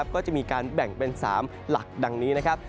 ก็จะมีการแบ่งเป็น๓หลักดังนี้นะครับ